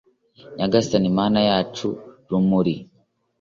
nyagasani mana yacu, rumuri